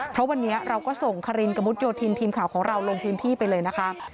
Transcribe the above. เพราะวันนี้เราก็ส่งคารินกระมุดโยธินทีมข่าวของเราลงพื้นที่ไปเลยนะคะ